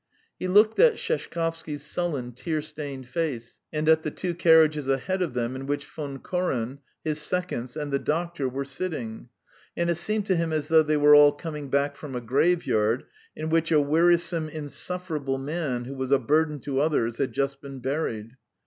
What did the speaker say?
He looked at Sheshkovsky's sullen, tear stained face, and at the two carriages ahead of them in which Von Koren, his seconds, and the doctor were sitting, and it seemed to him as though they were all coming back from a graveyard in which a wearisome, insufferable man who was a burden to others had just been buried.